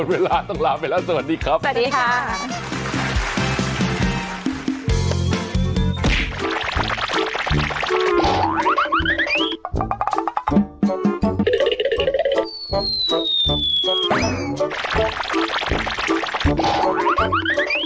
หมดเวลาต้องลาไปแล้วสวัสดีครับสวัสดีค่ะสวัสดีค่ะ